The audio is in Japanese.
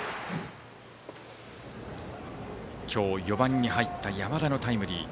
今日、４番に入った山田のタイムリー。